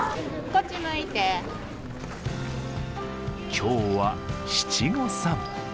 今日は七五三。